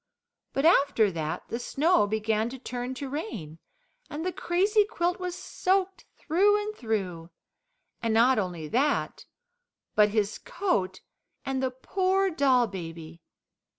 But after that the snow began to turn to rain, and the crazy quilt was soaked through and through: and not only that, but his coat and the poor doll baby.